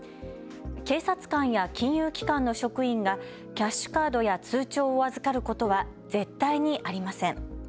警察官や金融機関の職員がキャッシュカードや通帳を預かることは絶対にありません。